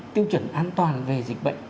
tiêu chuẩn an toàn về dịch bệnh